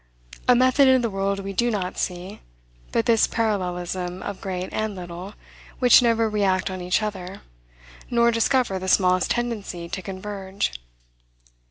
A method in the world we do not see, but this parallelism of great and little, which never react on each other, nor discover the smallest tendency to converge.